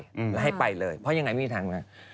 แล้วให้ไปเลยเพราะยังไงไม่มีทางแล้ว